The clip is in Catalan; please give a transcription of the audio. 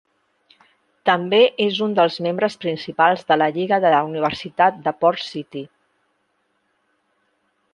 També és un dels membres principals de la Lliga de la Universitat de Port-City.